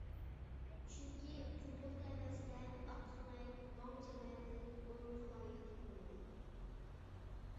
چۈنكى قۇمۇل تەۋەسىدە (ۋاڭ جەمەتى)دىن ئۇنىڭغا لايىق تېپىلمىدى.